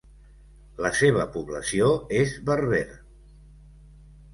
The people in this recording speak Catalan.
La seva població és berber.